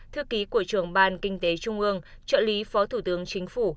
thư ký của trưởng ban kinh tế trung ương trợ lý phó thủ tướng chính phủ